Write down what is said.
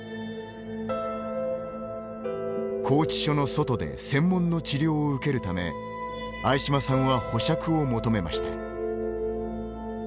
拘置所の外で専門の治療を受けるため相嶋さんは保釈を求めました。